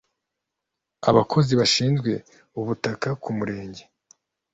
abakozi bashinzwe ubutaka ku murenge